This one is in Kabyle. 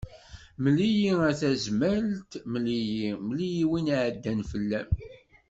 Mel-iyi a Tazmalt mel-iyi, mel-iyi win iɛeddan fell-am.